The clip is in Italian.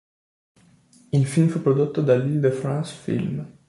Il film fu prodotto dall'Île de France Film.